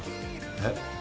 えっ？